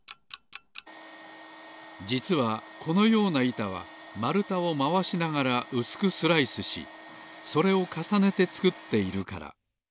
じつはこのようないたはまるたをまわしながらうすくスライスしそれをかさねてつくっているから。